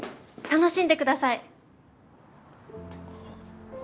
「楽しんで下さい」？